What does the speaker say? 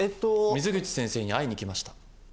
水口先生に会いに来ました。